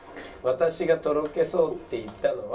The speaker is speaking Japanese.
私がとろけそうって言ったのは。